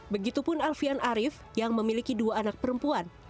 begitupun alfian arief yang memiliki dua anak perempuan